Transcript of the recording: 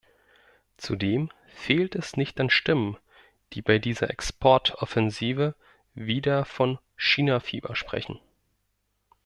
Zudem fehlt es nicht an Stimmen, die bei dieser Exportoffensive wieder von "Chinafieber" sprechen.